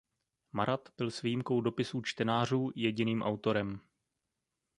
Marat byl s výjimkou dopisů čtenářů jediným autorem.